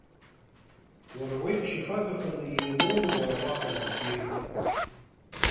Уара уеиԥш ихагаханы иеилоума, уара, уаҟа зегьы?